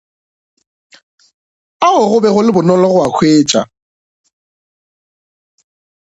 Ao go be go le bonolo go a hwetša.